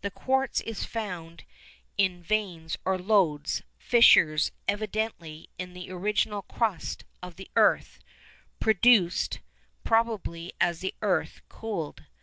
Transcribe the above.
The quartz is found in veins or lodes, fissures, evidently, in the original crust of the earth, produced probably as the earth cooled.